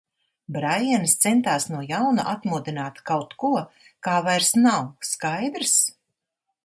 Braiens centās no jauna atmodināt kaut ko, kā vairs nav, skaidrs?